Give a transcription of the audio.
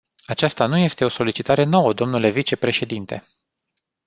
Aceasta nu este o solicitare nouă, dle vicepreședinte.